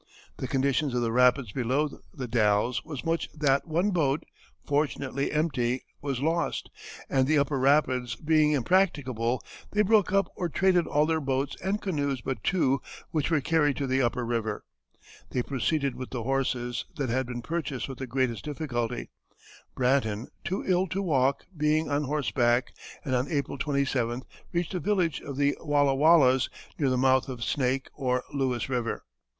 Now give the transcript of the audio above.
The conditions of the rapids below The Dalles was such that one boat, fortunately empty, was lost, and the upper rapids being impracticable, they broke up or traded all their boats and canoes but two, which were carried to the upper river. They proceeded with the horses, that had been purchased with the greatest difficulty, Bratton, too ill to walk, being on horseback, and on April 27th reached a village of the Wallawallas, near the mouth of Snake or Lewis River.